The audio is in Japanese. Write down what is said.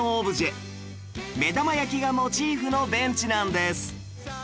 目玉焼きがモチーフのベンチなんです